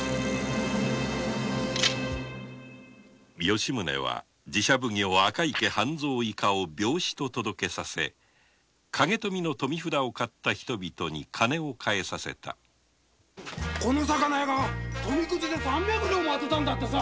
吉宗は寺社奉行赤池半蔵以下を病死と届けさせ影富の富札を買った人々に金を返させたこの魚屋が富くじで三百両当てたんだってさ。